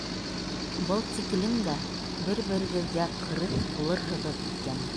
— Был тиклем дә бер-берегеҙгә ҡырыҫ булырһығыҙ икән.